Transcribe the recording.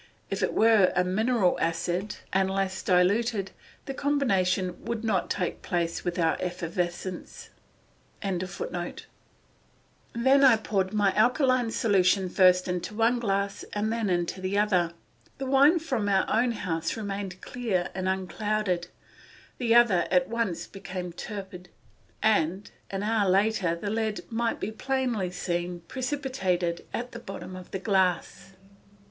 If it were a mineral acid and less diluted, the combination would not take place without effervescence.] combine with the acid, all will remain clear and there will be no precipitate. Then I poured my alkaline solution first into one glass and then into the other. The wine from our own house remained clear and unclouded, the other at once became turbid, and an hour later the lead might be plainly seen, precipitated at the bottom of the glass.